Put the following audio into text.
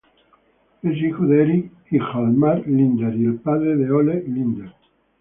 Es hijo de Erik Hjalmar Linder y el padre de Olle Linder.